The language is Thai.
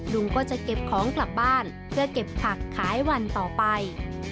ลุงก็จะเก็บของกลับบ้านเพื่อเก็บผักขายวันต่อไป